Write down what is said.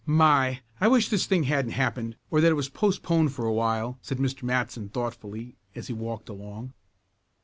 "My! I wish this thing hadn't happened, or that it was postponed for a while," said Mr. Matson thoughtfully as he walked along.